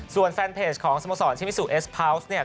ส่วนแฟนเพจของสโมสรชิมิซูเอสพาวส์เนี่ย